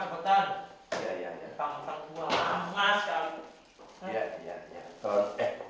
kamu mentang tua lama sekali